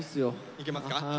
いけますか。